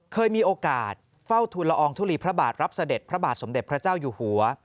เคยมีโอกาสเฝ้าทุนละอองทุลีพระบาทรับเสด็จพระบาทสมเด็จพระเจ้าอยู่หัว